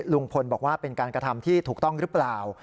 ลุงพลบอกว่าเป็นการกระทำที่ถูกต้องหรือเปล่า